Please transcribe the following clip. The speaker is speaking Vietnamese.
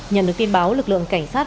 nhận được tin báo lực lượng cảnh sát